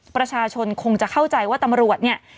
ประชาชนคงจะเข้าใจว่าตำรวจเนี่ย